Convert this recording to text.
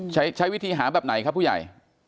ใช้วิธีหาแบบไหนครับผู้ใหญ่